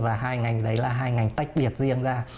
và hai ngành đấy là hai ngành tách biệt riêng ra